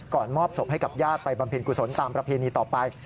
มอบศพให้กับญาติไปบำเพ็ญกุศลตามประเพณีต่อไป